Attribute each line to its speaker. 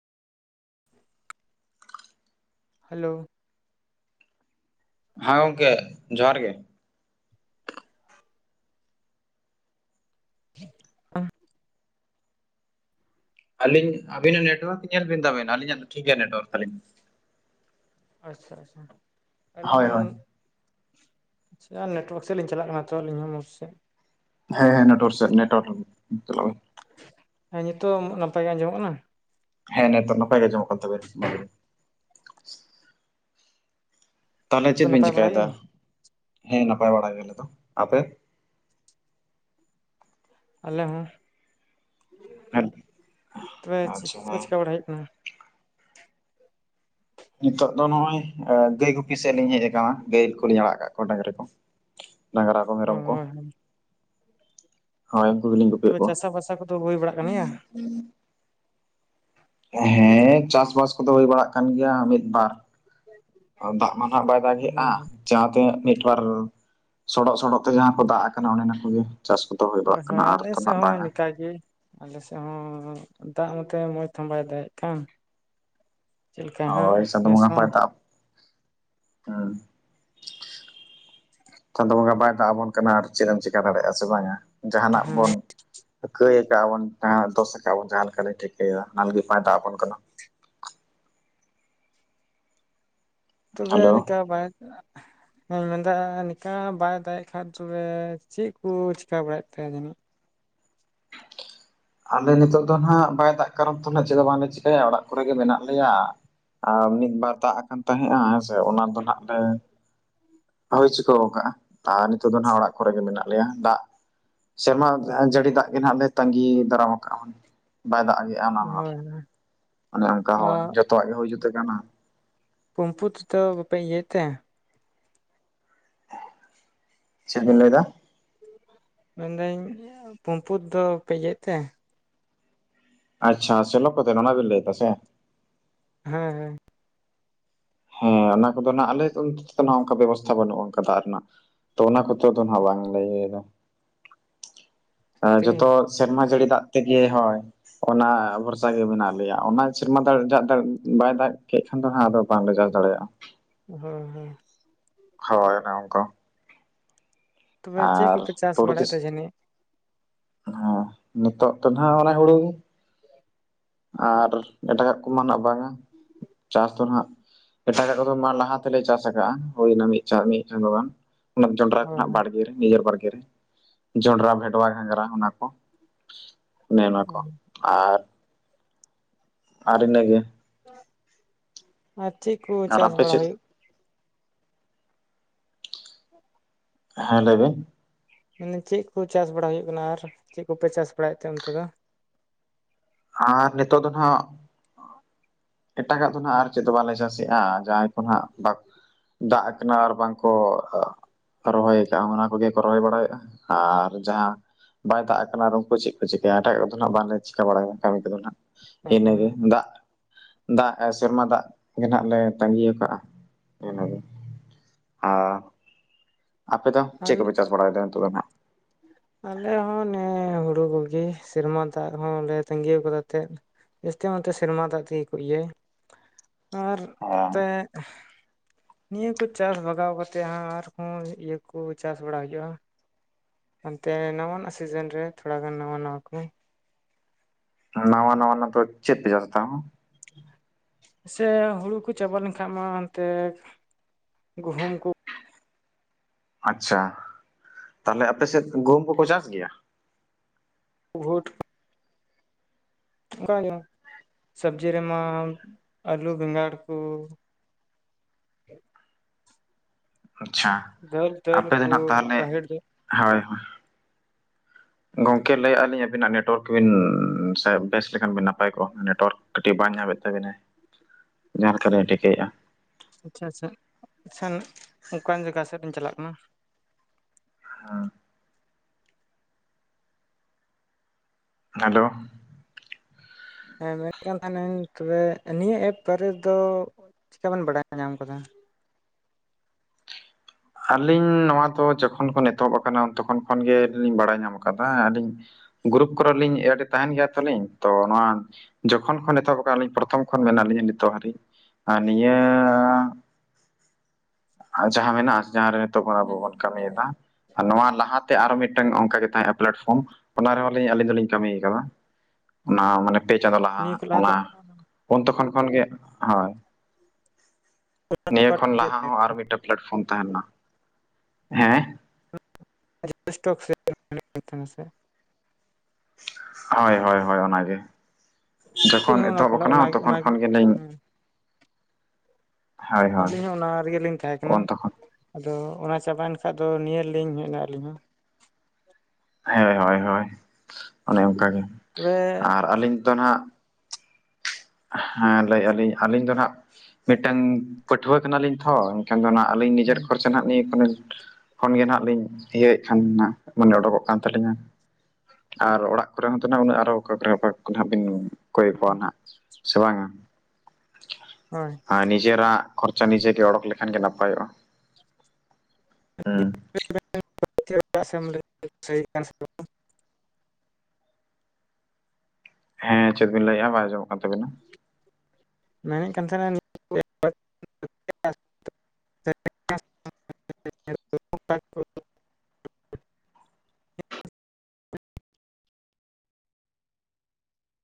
Speaker 1: Hello.
Speaker 2: ᱦᱮᱸ ᱜᱚᱝᱠᱮ ᱡᱚᱸᱦᱟᱨ ᱜᱮ᱾
Speaker 1: [inaudible]
Speaker 2: ᱟᱹᱞᱤᱧ ᱟᱹᱵᱤᱱᱟᱜ ᱱᱮᱴᱣᱟᱨᱠ ᱧᱮᱞ ᱵᱤᱱ ᱛᱟᱵᱮᱱᱟ ᱟᱹᱞᱤᱧ ᱫᱚ ᱴᱷᱤᱠ ᱜᱮᱭᱟ ᱱᱮᱴᱣᱟᱨᱠ ᱛᱟᱹᱞᱤᱧ᱾
Speaker 1: ᱟᱪᱪᱷᱟ ᱟᱪᱪᱷᱟ ᱟᱹᱞᱤᱧ
Speaker 2: ᱦᱳᱭ ᱦᱳᱭ
Speaker 1: ᱦᱚᱸ--᱾ ᱟᱪᱪᱷᱟ ᱱᱮᱴᱣᱟᱨᱠ ᱥᱮᱫ ᱞᱤᱧ ᱪᱟᱞᱟᱜ ᱠᱟᱱᱟ ᱛᱚ ᱟᱹᱞᱤᱧ ᱦᱚᱸ ᱢᱚᱡᱽ ᱥᱮᱫ᱾
Speaker 2: ᱦᱮᱸ ᱦᱮᱸ ᱱᱮᱴᱣᱟᱨᱠ ᱥᱮ ᱱᱮᱴᱣᱟᱨ᱾
Speaker 1: ᱦᱮᱸ ᱱᱤᱛᱳᱜ ᱱᱟᱯᱟᱭ ᱜᱮ ᱟᱸᱡᱚᱢᱚᱜ ᱠᱟᱱᱟ? ᱾
Speaker 2: ᱦᱮᱸ ᱱᱮᱛᱚᱜ ᱱᱟᱯᱟᱭ ᱜᱮ ᱟᱡᱚᱢᱚᱜ ᱠᱟᱱ ᱛᱚᱵᱮᱱ ᱢᱚᱡᱽ ᱜᱮ᱾ ᱛᱟᱦᱚᱞᱮ
Speaker 1: ᱛᱚ
Speaker 2: ᱪᱮᱫ ᱵᱤᱱ
Speaker 1: ᱱᱟᱯᱟᱭ ᱵᱟᱲᱟ
Speaker 2: ᱪᱤᱠᱟᱭ
Speaker 1: ᱜᱮ
Speaker 2: ᱫᱟ ᱦᱮᱸ ᱱᱟᱯᱟᱭ ᱵᱟᱲᱟ ᱜᱮ ᱟᱞᱮ ᱫᱚ ᱟᱯᱮ᱾
Speaker 1: ᱟᱞᱮ ᱦᱚᱸ
Speaker 2: ᱦᱮᱸ
Speaker 1: ᱛᱚᱵᱮ
Speaker 2: ᱟᱪᱪᱷᱟ
Speaker 1: ᱪᱮᱫ ᱠᱚ
Speaker 2: ᱦᱮᱸ
Speaker 1: ᱪᱮᱠᱟ ᱵᱟᱲᱟ ᱦᱩᱭᱩᱜ ᱠᱟᱱᱟ᱾
Speaker 2: ᱱᱤᱛᱚᱜ ᱫᱚ ᱱᱚᱜᱼᱚᱭ ᱜᱟᱹᱭ ᱜᱩᱯᱤ ᱥᱮᱫ ᱞᱤᱧ ᱦᱮᱡ ᱟᱠᱟᱱᱟ ᱜᱟᱹᱭ ᱠᱚᱞᱤᱧ ᱟᱲᱟᱜ ᱠᱟᱜ ᱠᱚᱣᱟ ᱰᱟᱝᱨᱤ ᱠᱚ᱾ ᱰᱟᱝᱨᱟ ᱠᱚ
Speaker 1: ᱚ
Speaker 2: ᱢᱮᱨᱚᱢ ᱠᱚ᱾
Speaker 1: ᱦᱳᱭ
Speaker 2: ᱦᱳᱭ ᱩᱱᱠᱩ ᱜᱮᱞᱤᱧ
Speaker 1: ᱛᱚᱵᱮ ᱪᱟᱥᱟ ᱵᱟᱥᱟ ᱠᱚᱫᱚ ᱦᱩᱭ ᱵᱟᱲᱟᱜ ᱠᱟᱱ ᱜᱮᱭᱟ᱾
Speaker 2: ᱦᱩᱸ--᱾ ᱦᱮᱸ ᱪᱟᱥ ᱵᱟᱥ ᱠᱚᱫᱚ ᱦᱩᱭ ᱵᱟᱲᱟᱜ ᱠᱟᱱ ᱜᱮᱭᱟ ᱢᱤᱫ ᱵᱟᱨ᱾ ᱫᱟᱜ ᱢᱟ ᱱᱟᱜ ᱵᱟᱭ ᱫᱟᱜᱮᱜᱼᱟ᱾
Speaker 1: ᱦᱳᱭ
Speaker 2: ᱡᱟᱦᱟᱸ ᱛᱤᱱᱟᱹᱜ ᱢᱤᱫ ᱵᱟᱨ ᱥᱚᱰᱚᱜ ᱥᱚᱰᱚᱜ ᱛᱮ ᱡᱟᱦᱟᱸ ᱠᱚ ᱫᱟᱜ ᱟᱠᱟᱱᱟ ᱚᱱᱮ ᱚᱱᱟ ᱠᱚᱜᱮ ᱪᱟᱥ ᱠᱚ᱾
Speaker 1: ᱦᱳᱭ ᱟᱞᱮ ᱥᱮᱫ ᱦᱚᱸ ᱱᱤᱝᱠᱟ ᱜᱮ᱾ ᱟᱞᱮ ᱥᱮᱫ ᱦᱚᱸ ᱫᱟᱜ ᱢᱚᱛᱚ ᱢᱚᱡᱽ ᱛᱮᱦᱚᱸ ᱵᱟᱭ ᱫᱟᱜᱮᱜ ᱠᱟᱱ᱾ ᱪᱮᱫ ᱞᱮᱠᱟ ᱦᱟᱸᱜ
Speaker 2: ᱦᱳᱭ᱾ [unintelligible] [unintelligible]
Speaker 1: ᱱᱮᱥ ᱦᱚᱸ
Speaker 2: ᱪᱟᱸᱫᱚ ᱵᱚᱸᱜᱟ ᱵᱟᱭ ᱫᱟᱜ ᱟᱵᱚᱱ--᱾ ᱠᱟᱱᱟ ᱟᱨ ᱪᱮᱫ ᱮᱢ ᱪᱤᱠᱟᱹ ᱫᱟᱲᱮᱭᱟᱜᱼᱟ ᱥᱮ ᱵᱟᱝ ᱼᱟ ᱡᱟᱦᱟᱱᱟᱜ ᱵᱚᱱ
Speaker 1: ᱦᱮᱸ
Speaker 2: ᱠᱟᱹᱭ ᱟᱠᱟᱫᱼᱟ ᱵᱚᱱ᱾ ᱡᱟᱦᱟᱸ ᱫᱚᱥ ᱟᱠᱟᱫ ᱵᱚᱱ ᱡᱟᱦᱟᱸ ᱞᱮᱠᱟᱞᱮ ᱴᱷᱤᱠᱟᱹᱭᱮᱫᱟ ᱚᱱᱟ ᱞᱟᱹᱜᱤᱫ ᱵᱟᱭ ᱫᱟᱜ ᱟᱵᱚᱱ ᱠᱟᱱᱟ᱾
Speaker 1: ᱛᱚᱵᱮ
Speaker 2: ᱦᱮᱞᱳ
Speaker 1: ᱱᱚᱝᱠᱟ ᱵᱟᱭ ᱫᱟᱜ--᱾ ᱤᱧ ᱢᱮᱱᱫᱟ ᱱᱤᱝᱠᱟ ᱵᱟᱭ ᱫᱟᱲᱮᱜ ᱠᱷᱟᱡ ᱛᱚᱵᱮ ᱪᱮᱫ ᱠᱚ ᱪᱮᱠᱟ ᱵᱟᱲᱟᱭᱮᱫ ᱛᱟᱭᱟ ᱡᱟᱹᱱᱤᱡ ᱾
Speaker 2: ᱟᱞᱮ ᱱᱤᱛᱚᱜ ᱫᱚ ᱦᱟᱜ ᱵᱟᱭ ᱫᱟᱜ ᱠᱟᱨᱚᱱ ᱛᱮ ᱪᱮᱫ ᱫᱚ ᱵᱟᱝᱞᱮ ᱪᱤᱠᱟᱹᱭᱟ, ᱚᱲᱟᱜ ᱠᱚᱨᱮ ᱜᱮ ᱢᱮᱱᱟᱜ ᱞᱮᱭᱟ᱾ ᱟᱨ ᱢᱤᱫ ᱵᱟᱨ ᱫᱟᱜ ᱟᱠᱟᱱ ᱛᱟᱦᱮᱸᱫᱱᱟ ᱦᱮᱸ ᱥᱮ ᱚᱱᱟ ᱫᱚ ᱱᱟᱜ ᱞᱮ᱾ ᱦᱩᱭ ᱪᱤᱠᱟᱹᱣ ᱟᱠᱟᱟᱜᱼᱟ, ᱟᱨ ᱱᱤᱛᱚᱜ ᱫᱚ ᱦᱟᱜ ᱚᱲᱟᱜ ᱠᱚᱨᱮ ᱜᱮ ᱢᱮᱱᱟᱜ ᱞᱮᱭᱟ ᱫᱟᱜ᱾ ᱥᱮᱨᱢᱟ ᱡᱟᱹᱲᱤ ᱫᱟᱜ ᱜᱮ ᱱᱟᱦᱟᱜ ᱞᱮ ᱛᱟᱸᱜᱤ᱾ ᱫᱟᱨᱟᱢ ᱠᱟᱜ ᱵᱟᱭ ᱫᱟᱜᱼᱟ ᱚᱱᱟ ᱦᱚᱨ
Speaker 1: ᱦᱳᱭ
Speaker 2: ᱚᱱᱠᱟ
Speaker 1: ᱟᱨ
Speaker 2: ᱦᱚᱸᱚᱛ᱾ ᱡᱚᱛᱚᱣᱟᱜ ᱜᱮ ᱦᱩᱭ ᱡᱩᱛ ᱠᱟᱱᱟ᱾
Speaker 1: ᱯᱩᱢᱯᱩ ᱛᱚ ᱵᱟᱯᱮ ᱤᱭᱟᱹ ᱛᱮ᱾
Speaker 2: ᱪᱮᱫ ᱵᱤᱱ ᱞᱟᱹᱭᱫᱟ᱾
Speaker 1: ᱢᱮᱱᱫᱟᱹᱧ ᱯᱚᱢᱯᱩ ᱫᱚ ᱤᱭᱟᱹ ᱛᱮ᱾
Speaker 2: ᱟᱪᱪᱷᱟ ᱥᱮᱞᱚ ᱠᱚᱛᱮ ᱚᱱᱟ ᱵᱮᱱ ᱞᱟᱹᱭ ᱫᱟ ᱥᱮ᱾
Speaker 1: ᱦᱮᱸ ᱦᱮᱸ
Speaker 2: ᱦᱮᱸ ᱚᱱᱟ ᱠᱚᱫᱚ ᱱᱟᱜ ᱟᱞᱮ ᱚᱱ ᱚᱱᱠᱟ ᱵᱮᱵᱚᱥᱛᱷᱟ ᱵᱟᱹᱱᱩᱜᱼᱟ ᱚᱱᱠᱟ ᱫᱟᱜ ᱨᱮᱱᱟᱜ᱾ ᱛᱚ ᱚᱱᱟ ᱠᱚᱛᱮ ᱫᱚ ᱱᱟᱜ ᱵᱟᱝ ᱤᱭᱟᱹᱭ ᱫᱟ᱾
Speaker 1: ᱛᱮᱜᱮ
Speaker 2: ᱡᱚᱛᱚ ᱥᱮᱨᱢᱟ ᱡᱟᱹᱲᱤ ᱫᱟᱜ ᱛᱮᱜᱮ ᱦᱳᱭ᱾ ᱚᱱᱟ ᱵᱷᱚᱨᱥᱟ ᱜᱮ ᱢᱮᱱᱟᱜ ᱞᱮᱭᱟ ᱚᱱᱟ ᱥᱮᱨᱢᱟ ᱫᱚ [inaudible] ᱵᱟᱭ ᱫᱟᱜ ᱠᱮ᱾᱾ ᱟᱫᱚ ᱦᱟᱜ ᱟᱫᱚ ᱵᱟᱝᱞᱮ ᱪᱟᱥ ᱫᱟᱲᱮᱭᱟᱜ-ᱟ᱾
Speaker 1: ᱦᱮᱸ ᱦᱮᱸ
Speaker 2: ᱦᱳᱭ ᱚᱱᱮ ᱚᱱᱠᱟ᱾
Speaker 1: ᱛᱚᱵᱮ ᱪᱮᱫ
Speaker 2: ᱟᱨ [inaudible]
Speaker 1: ᱠᱚᱯᱮ ᱪᱟᱥ ᱵᱟᱲᱟᱭᱮᱫ ᱛᱮ ᱡᱟᱹᱱᱤᱡ
Speaker 2: ᱦᱮ ᱱᱤᱛᱚᱜ ᱫᱚ ᱦᱟᱜ ᱚᱱᱮ ᱦᱩᱲᱩ ᱤᱨ᱾ ᱟᱨ ᱮᱴᱟᱜᱟᱜ ᱠᱚᱢᱟ ᱱᱟᱜ ᱵᱟᱝᱟ ᱪᱟᱥ ᱫᱚ ᱱᱟᱜ᱾ ᱮᱴᱟᱜᱟᱜ ᱠᱚᱫᱚ ᱢᱟ ᱞᱟᱦᱟ ᱛᱮᱞᱮ ᱪᱟᱥ ᱟᱠᱟᱫ-ᱟ, ᱦᱩᱭᱮᱱᱟ ᱢᱤᱫ ᱪᱟᱸᱫᱚ ᱜᱟᱱ᱾ ᱚᱱᱟ ᱡᱚᱰᱨᱟ ᱠᱚᱱᱟᱜ
Speaker 1: ᱦᱳᱭ
Speaker 2: ᱵᱟᱲᱜᱮ ᱨᱮ ᱱᱤᱡᱮᱨ ᱵᱟᱲᱜᱮ ᱨᱮ᱾ ᱡᱚᱱᱰᱨᱟ ᱵᱷᱮᱰᱣᱟ ᱜᱷᱟᱸᱜᱽᱨᱟ ᱚᱱᱟ ᱠᱚ ᱚᱱᱮ ᱚᱱᱟ ᱠᱚ
Speaker 1: ᱦᱳᱭ
Speaker 2: ᱟᱨ᱾ ᱟᱨ ᱤᱱᱟᱹ ᱜᱮ᱾
Speaker 1: ᱟᱨ ᱪᱮᱫ ᱠᱚ
Speaker 2: ᱟᱨ
Speaker 1: ᱪᱟᱥ
Speaker 2: ᱟᱯᱮ
Speaker 1: ᱵᱟᱲᱟ
Speaker 2: ᱪᱮᱫ
Speaker 1: ᱦᱩᱭᱩᱜ᱾ [unintelligible]
Speaker 2: ᱦᱮᱸ ᱞᱟᱹᱭ ᱵᱮᱱ᱾
Speaker 1: ᱢᱟᱱ ᱪᱮᱫ ᱠᱚ ᱪᱟᱥ ᱵᱟᱲᱟ ᱦᱩᱭᱩᱜ ᱠᱟᱱᱟ ᱟᱨ ᱪᱮᱫ ᱠᱚᱯᱮ ᱪᱟᱥ ᱵᱟᱲᱟᱭᱮᱫ ᱛᱮ ᱚᱱᱛᱮ ᱫᱚ᱾
Speaker 2: ᱟᱨ ᱱᱤᱛᱚᱜ ᱫᱚ ᱦᱟᱜ᱾ ᱮᱴᱟᱜᱟᱜ ᱫᱚ ᱦᱟᱜ ᱟᱨ ᱪᱮᱫ ᱦᱚ ᱵᱟᱞᱮ ᱪᱟᱥᱮ-ᱟ ᱡᱟᱸᱦᱟᱭ ᱠᱚ ᱦᱟᱜ ᱵᱟᱠ᱾ ᱫᱟᱜ ᱟᱠᱟᱱᱟ ᱟᱨ ᱵᱟᱝ ᱠᱚ᱾ ᱨᱚᱦᱚᱭ ᱟᱠᱟᱜ-ᱟ, ᱚᱱᱟ ᱠᱚᱜᱮ ᱠᱚ ᱨᱚᱦᱚᱭ ᱵᱟᱲᱟᱭᱮᱼᱟ ᱟᱨ ᱡᱟᱸᱦᱟ᱾ ᱵᱟᱭ ᱫᱟᱜ ᱠᱟᱱᱟ ᱟᱨ ᱩᱱᱠᱩ ᱪᱮᱫ ᱠᱚ ᱪᱤᱠᱟᱹᱭᱟ ᱮᱴᱟᱜᱟᱜ ᱫᱚ ᱱᱟᱜ ᱵᱟᱝᱞᱮ ᱪᱤᱠᱟᱹ ᱵᱟᱲᱟᱭᱟ᱾ ᱠᱟᱹᱢᱤ ᱠᱚᱫᱚ ᱱᱟᱜ ᱤᱱᱟᱹᱜᱮ ᱫᱟᱜ᱾ ᱫᱟᱜ ᱥᱮᱨᱢᱟ ᱫᱟᱜ ᱜᱮ ᱱᱟᱜ ᱞᱮ ᱛᱟᱸᱜᱤ ᱟᱠᱟᱜ-ᱟ, ᱤᱱᱟᱹ ᱜᱮ᱾ ᱟᱸ ᱟᱯᱮ ᱫᱚ ᱪᱮᱫ
Speaker 1: ᱟᱞᱮ
Speaker 2: ᱠᱚᱯᱮ ᱪᱟᱥ ᱵᱟᱲᱟᱭᱮᱫᱟ ᱱᱤᱛᱚᱜ ᱫᱚ ᱦᱟᱜ᱾
Speaker 1: ᱟᱞᱮ ᱦᱚᱸ ᱱᱮ ᱦᱩᱲᱩ ᱠᱚᱜᱮ ᱥᱮᱨᱢᱟ ᱫᱟᱜ ᱦᱚᱸᱞᱮ ᱛᱟᱹᱜᱤ ᱟᱠᱟᱫᱟ ᱛᱮ᱾ ᱡᱟᱹᱥᱛᱤ ᱱᱚᱛᱮ ᱥᱮᱨᱢᱟ ᱫᱟᱜ ᱛᱮᱜᱮ ᱠᱚ ᱤᱭᱟᱹᱭ ᱟᱨ
Speaker 2: ᱱᱟᱦᱟᱜ
Speaker 1: ᱱᱚᱛᱮ᱾ ᱱᱤᱭᱟᱹ ᱠᱚ ᱪᱟᱥ ᱵᱟᱜᱟᱣ ᱠᱟᱛᱮᱫ ᱦᱟᱜ ᱟᱨᱦᱚᱸ ᱤᱭᱟᱹ ᱠᱚ ᱪᱟᱥ ᱵᱟᱲᱟ ᱦᱩᱭᱩᱜ-ᱟ᱾ ᱮᱱᱛᱮ ᱱᱟᱣᱟᱱᱟᱜ ᱥᱮᱥᱟᱱ ᱨᱮ ᱛᱷᱚᱲᱟ ᱜᱟᱱ ᱱᱟᱣᱟ ᱱᱟᱣᱟ ᱠᱚ᱾
Speaker 2: ᱱᱟᱣᱟ ᱱᱟᱣᱟ ᱱᱟᱛᱚ ᱪᱮᱫ ᱯᱮ ᱪᱟᱥ ᱮᱫᱟ ᱾
Speaker 1: ᱥᱮ ᱦᱩᱲᱩ ᱠᱚ ᱪᱟᱵᱟ ᱞᱮᱱ ᱠᱷᱟᱱᱡ ᱢᱟ ᱦᱟᱱᱛᱮ ᱜᱩᱦᱩᱢ ᱠᱚ᱾
Speaker 2: ᱟᱪᱪᱷᱟ ᱛᱟᱦᱚᱞᱮ ᱟᱯᱮ ᱥᱮᱫ ᱜᱩᱦᱩᱢ ᱠᱚᱠᱚ ᱪᱟᱥ ᱜᱮᱭᱟ᱾
Speaker 1: ᱵᱷᱩᱴ, ᱚᱱᱠᱟ ᱥᱚᱵᱡᱤ ᱨᱮᱢᱟ ᱟᱹᱞᱩ ᱵᱮᱸᱜᱟᱲ ᱠᱚ,
Speaker 2: ᱟᱪᱪᱷᱟ
Speaker 1: ᱫᱟᱹᱞ ᱫᱟᱹᱞ
Speaker 2: ᱟᱯᱮ ᱫᱚ
Speaker 1: ᱠᱚ
Speaker 2: ᱱᱟᱦᱟᱜ ᱛᱟᱦᱚᱞᱮ
Speaker 1: ᱨᱟᱦᱮᱲ ᱫᱟᱹᱞ,
Speaker 2: ᱦᱳᱭ ᱦᱳᱭ, ᱜᱚᱝᱠᱮ ᱞᱟᱹᱭ ᱮᱜ ᱟᱹᱞᱤᱧ ᱟᱵᱤᱱᱟᱜ ᱱᱮᱴᱣᱟᱨᱠ ᱵᱤᱱ ᱥᱮ ᱵᱮᱥ ᱞᱮᱠᱷᱟᱱ ᱵᱤᱱ ᱱᱟᱯᱟᱭ ᱠᱚᱜ-ᱟ᱾ᱱᱮᱴᱣᱟᱨᱠ ᱠᱟᱹᱴᱤᱡ ᱵᱟᱭ ᱧᱟᱢᱮᱫ ᱛᱟᱹᱵᱤᱱᱟ᱾ ᱡᱟᱸᱦᱟ ᱞᱮᱠᱟᱞᱮ ᱴᱷᱤᱠᱟᱹᱭᱮᱫ-ᱟ᱾
Speaker 1: ᱟᱪᱪᱷᱟ ᱟᱪᱪᱷᱟ ᱠᱷᱟᱱ ᱚᱱᱠᱟᱱ ᱡᱟᱭᱜᱟ ᱥᱮᱫ ᱤᱧ ᱪᱟᱞᱟᱜ ᱠᱟᱱᱟ᱾
Speaker 2: ᱦᱮ ᱦᱮᱞᱳ,
Speaker 1: ᱦᱮᱸ ᱢᱮᱱᱮᱫ ᱠᱟᱱ ᱛᱟᱦᱮᱱᱟᱹᱧ ᱛᱚᱵᱮ ᱱᱤᱭᱟᱹ ᱮᱯ ᱵᱟᱨᱮ ᱫᱚ ᱪᱮᱠᱟᱵᱮᱱ ᱵᱟᱰᱟᱭ ᱧᱟᱢ ᱠᱟᱫᱟ᱾
Speaker 2: ᱟᱹᱞᱤᱧ ᱱᱚᱣᱟ ᱫᱚ ᱡᱚᱠᱷᱚᱱ ᱠᱷᱚᱱ ᱮᱛᱚᱦᱚᱵ ᱟᱠᱟᱱᱟ ᱛᱚᱠᱷᱚᱱ ᱠᱷᱚᱱ ᱜᱮᱞᱤᱧ ᱵᱟᱲᱟᱭ ᱧᱟᱢ ᱟᱠᱟᱫᱟ ᱟᱹᱞᱤᱧ᱾ ᱜᱨᱩᱯ ᱠᱚᱨᱮ ᱞᱤᱧ ᱮᱰ ᱛᱟᱦᱮᱱ ᱜᱮᱭᱟ ᱛᱚᱞᱤᱧ ᱛᱚ ᱱᱚᱣᱟ, ᱡᱚᱠᱷᱚᱱ ᱠᱷᱚᱱ ᱮᱛᱚᱦᱚᱵ ᱟᱠᱟᱜ ᱟᱹᱞᱤᱧ ᱯᱨᱚᱛᱷᱚᱢ ᱠᱷᱚᱱ ᱢᱮᱱᱟᱜ ᱞᱤᱧᱟ ᱱᱤᱛᱚᱜ ᱦᱟᱹᱨᱤᱡ ᱟᱨ ᱱᱤᱭᱟᱹ᱾
Speaker 1: [inaudible]
Speaker 2: ᱡᱟᱸᱦᱟ ᱢᱮᱱᱟᱜ-ᱟ, ᱡᱟᱸᱦᱟ ᱨᱮ ᱱᱤᱛᱚᱜ ᱠᱷᱚᱱ ᱟᱵᱚ ᱵᱚᱱ ᱠᱟᱹᱢᱤᱭᱮᱫᱟ ᱟᱨ ᱱᱚᱣᱟ ᱞᱟᱦᱟ, ᱟᱨᱚ ᱢᱤᱫᱴᱟᱝ ᱚᱱᱠᱟ ᱜᱮ ᱛᱟᱸᱦᱮᱜ-ᱟ ᱯᱞᱟᱴᱯᱷᱚᱨᱚᱢ, ᱚᱱᱟ ᱨᱮᱦᱚᱸ ᱟᱹᱞᱤᱧ ᱫᱚᱞᱤᱧ ᱠᱟᱹᱢᱤ ᱟᱠᱟᱫᱟ ᱚᱱᱟ ᱢᱟᱱᱮ, ᱯᱮ ᱪᱟᱸᱫᱳ ᱞᱟᱦᱟ
Speaker 1: ᱱᱤᱭᱟᱹ
Speaker 2: ᱟᱜ
Speaker 1: ᱠᱚ ᱫᱚ
Speaker 2: ᱚᱱᱟ ᱩᱱ ᱛᱚᱠᱷᱚᱱ ᱠᱷᱚᱱ ᱜᱮ ᱦᱳᱭ, ᱱᱤᱭᱟᱹ ᱠᱷᱚᱱ ᱞᱟᱦᱟ ᱦᱚᱸ ᱟᱨ ᱢᱤᱫᱴᱮᱱ ᱯᱞᱟᱴᱯᱷᱚᱨᱚᱢ ᱛᱟᱸᱦᱮ ᱞᱮᱱᱟ᱾ ᱦᱮᱸ,
Speaker 1: [inaudible] ᱛᱟᱦᱮᱱᱟ ᱞᱮᱱᱟ ᱥᱮ,
Speaker 2: ᱦᱳᱭ ᱦᱳᱭ ᱦᱳᱭ ᱚᱱᱟᱜᱮ ᱡᱚᱠᱷᱚᱱ
Speaker 1: ᱟᱹᱞᱤᱧ ᱦᱚᱸ ᱚᱱᱟ
Speaker 2: ᱮᱛᱚᱦᱚᱵ
Speaker 1: ᱠᱚ
Speaker 2: ᱟᱠᱟᱱᱟ ᱛᱚᱠᱷᱚᱱ
Speaker 1: ᱚᱱᱟᱜᱮ
Speaker 2: ᱠᱷᱚᱱ ᱜᱮᱞᱤᱧ,
Speaker 1: ᱦᱮᱸ
Speaker 2: ᱦᱳᱭ ᱦᱳᱭ
Speaker 1: ᱟᱹᱞᱤᱧ ᱦᱚᱸ ᱚᱱᱟ ᱨᱮᱜᱮᱞᱤᱧ ᱛᱟᱸᱦᱮ ᱠᱟᱱᱟ᱾
Speaker 2: ᱩᱱ ᱛᱚᱠᱷᱚᱱ
Speaker 1: ᱟᱫᱚ ᱚᱱᱟ ᱪᱟᱵᱟᱭᱮᱱ ᱠᱷᱟᱱ ᱫᱚ ᱱᱤᱭᱟᱹ ᱞᱤᱧ ᱦᱮᱡ ᱮᱱᱟ ᱟᱹᱞᱤᱧ ᱦᱚᱸ᱾
Speaker 2: ᱦᱳᱭ ᱦᱳᱭ ᱦᱳᱭ ᱚᱱᱮ ᱚᱱᱠᱟᱜᱮ
Speaker 1: ᱛᱚᱵᱮ
Speaker 2: ᱟᱨ ᱟᱹᱞᱤᱧ ᱫᱚ ᱱᱟᱦᱟᱜ ᱦᱮᱸ ᱞᱟᱹᱭᱮᱫ ᱟᱞᱤᱧ ᱟᱹᱞᱤᱧ ᱫᱚ ᱦᱟᱜ ᱢᱤᱫᱴᱟᱝ ᱯᱟᱹᱴᱷᱩᱣᱟᱹ ᱠᱟᱱᱟᱞᱤᱧ ᱛᱷᱚ᱾ ᱮᱠᱷᱟᱱ ᱟᱹᱞᱤᱧ ᱱᱤᱡᱮᱨ
Speaker 1: ᱦᱮᱸ
Speaker 2: ᱠᱷᱚᱨᱪᱟ ᱱᱤᱭᱟᱹ ᱠᱷᱚᱱ ᱠᱷᱚᱱ ᱜᱮ ᱱᱟᱜ ᱞᱤᱧ ᱤᱭᱟᱹᱭᱮᱫ ᱠᱷᱟᱱ ᱱᱟᱜ ᱢᱟᱱᱮ ᱚᱰᱚᱠᱚᱜ ᱠᱟᱱ ᱛᱟᱹᱞᱤᱧᱟ᱾ ᱟᱨ ᱚᱲᱟᱜ ᱠᱚᱨᱮ ᱦᱚᱸ ᱛᱚ ᱦᱟᱜ ᱩᱱᱟᱹᱜ ᱟᱨᱚ ᱠᱚᱜ [unintelligible] ᱵᱤᱱ ᱠᱚᱭ ᱠᱚᱣᱟ ᱦᱟᱸᱜ᱾ ᱥᱮ ᱵᱟᱝ
Speaker 1: ᱦᱳᱭ
Speaker 2: ᱟᱨ ᱱᱤᱡᱮᱨᱟᱜ ᱠᱷᱚᱨᱪᱟ ᱱᱤᱡᱮ ᱜᱮ ᱚᱰᱚᱠ ᱞᱮᱠᱷᱟᱱ ᱜᱮ ᱱᱟᱯᱟᱭᱚᱜᱼᱟ᱾ ᱦᱩᱸ
Speaker 1: [unintelligible]
Speaker 2: ᱦᱮᱸ ᱪᱮᱫ ᱵᱤᱱ ᱞᱟᱹᱭᱮᱜᱼᱟ, ᱵᱟᱭ ᱟᱸᱡᱚᱢᱚᱜ ᱠᱟᱱ ᱛᱟᱵᱤᱱᱟ᱾
Speaker 1: ᱢᱮᱱᱮᱫ ᱛᱟᱦᱮᱱᱟ᱾